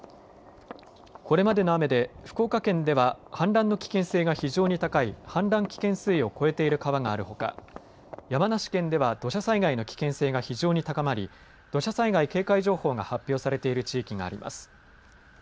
これまでの雨で福岡県では氾濫の危険性が非常に高い氾濫危険水位を超えている川があるほか山梨県では土砂災害の危険性が非常に高まり土砂災害警戒情報が発表されている地域があります。